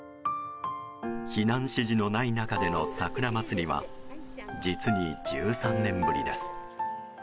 避難指示のない中での桜まつりは実に１３年ぶりです。